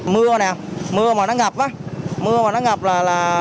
mưa nào mưa mà nó ngập á mưa mà nó ngập là